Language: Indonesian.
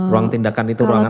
ruang tindakan itu ruangan